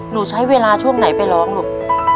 หนูใช้เวลาช่วงไหนไปร้องลูก